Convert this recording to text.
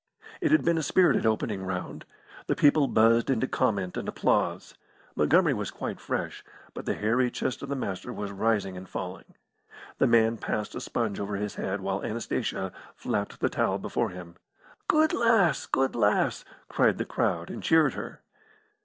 It had been a spirited opening round. The people buzzed into comment and applause. Montgomery was quite fresh, but the hairy chest of the Master was rising and falling. The man passed a sponge over his head while Anastasia flapped the towel before him. "Good lass! good lass!" cried the crowd, and cheered her.